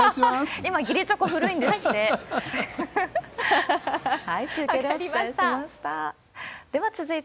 今、義理チョコ古いんですって。